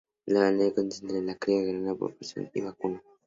La ganadería se concentra en la cría el ganado porcino y vacuno.